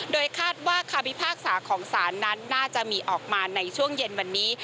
โดยคาดว่าคำพิพากษาของศาลนั้นน่าจะมีออกมาในช่วงเย็นวันนี้